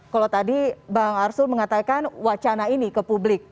kalau tadi bang arsul mengatakan wacana ini ke publik